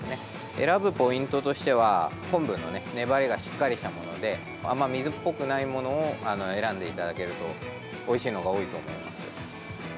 選ぶポイントとしては昆布の粘りがしっかりしたものであんまり水っぽくないものを選んでいただけるとおいしいのが多いと思います。